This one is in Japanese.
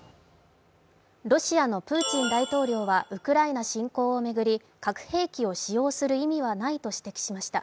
ロシアのプーチン大統領はウクライナ侵攻を巡り核兵器を使用する意味はないと指摘しました。